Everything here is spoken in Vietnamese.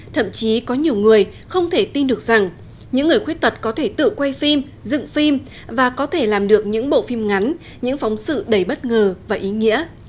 thậm chí có nhiều người không thể tin được rằng những người khuyết tật có thể tự quay phim dựng phim và có thể làm được những bộ phim ngắn những phóng sự đầy bất ngờ và ý nghĩa